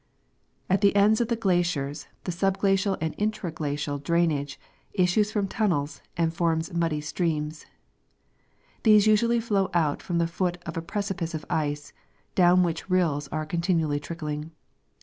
At the ends of the glaciers the subglacial and intraglacial drain age issues from tunnels and forms muddy streams. These usually flow out from the foot of a precipice of ice, down which rills are continually trickling.